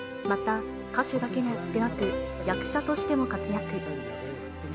また、歌手だけでなく、役者としても活躍。